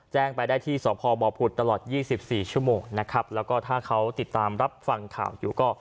แจ้งไปได้ที่สบพตลอด๒๔ชั่วโมงแล้วก็ที่เขาติดตามรับฟังข่าวอยู่ก็